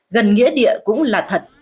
gần nghĩa địa cũng là thật